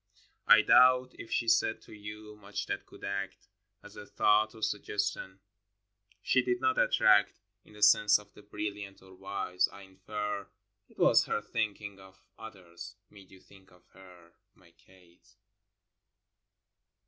IV. I doubt if she said to you much that could act As a thought or suggestion ; she did not attract In the sense of the brilliant or wise ; I infer 'T was her thinking of others, made you think of her — My Kate. MY KA TE.